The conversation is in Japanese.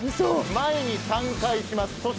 前に３回します